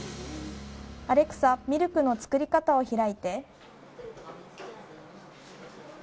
アレクサミルクの作り方を開いて。